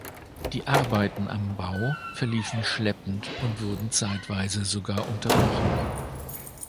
Die Arbeiten am Bau verliefen schleppend und wurden zeitweise sogar unterbrochen.